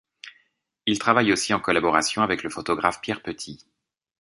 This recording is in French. Il travaille aussi en collaboration avec le photographe Pierre Petit.